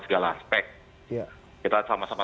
segala aspek kita sama sama